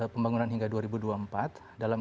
pembangunan hingga dua ribu dua puluh empat dalam